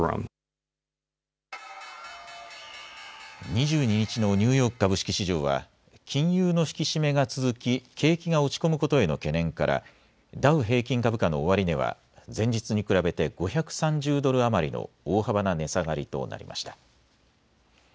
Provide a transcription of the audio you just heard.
２２日のニューヨーク株式市場は金融の引き締めが続き景気が落ち込むことへの懸念からダウ平均株価の終値は前日に比べて５３０ドル余りの大幅な値下がりとなりました。